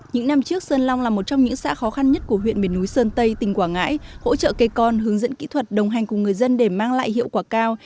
những năm trước sơn long là một trong những xã khó khăn nhất của huyện miền núi sơn tây tỉnh quảng ngãi hỗ trợ cây con hướng dẫn kỹ thuật đồng hành cùng người dân để mang lại hiệu quả cao